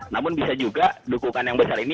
namun bisa juga dukungan yang besar ini